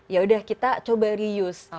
yaudah kita coba reuse